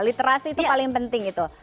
literasi itu paling penting itu